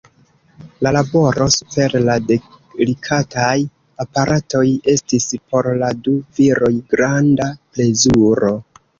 La laboro super la delikataj aparatoj estis por la du viroj granda plezuro.